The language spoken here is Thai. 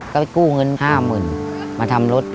ก็ไปกู้เงิน๕๐๐๐มาทำรถ